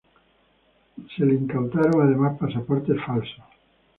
Se le incautaron además pasaportes falsos.